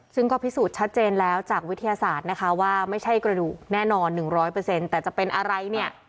ซึ่งก็พิสูจน์ชัดเจนแล้วจากวิทยาศาสตร์นะคะว่าไม่ใช่กระดูกแน่นอน๑๐๐แต่จะเป็นอะไรเนี่ย